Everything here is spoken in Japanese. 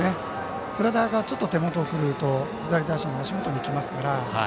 スライダーがちょっと手元が狂うと左打者の足元に来ますから。